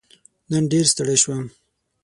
نن ډېر ستړی شوم.